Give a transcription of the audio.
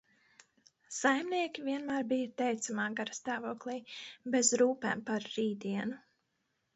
Saimnieki vienmēr bija teicamā garastāvoklī, bez rūpēm par rītdienu.